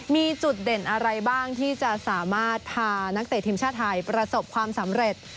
มีจุดเด่นอะไรบ้างที่จะสามารถพานักเตะทีมชาติไทยประสบความสำเร็จ